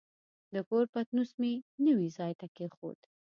د کور پتنوس مې نوي ځای ته کېښود.